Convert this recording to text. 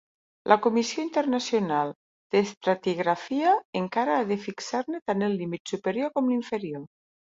La Comissió Internacional d'Estratigrafia encara ha de fixar-ne tant el límit superior com l'inferior.